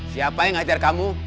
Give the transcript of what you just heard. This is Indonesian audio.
siapa yang hajar kamu